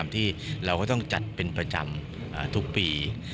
ที่เราก็ต้องจัดเป็นประจำทุกปี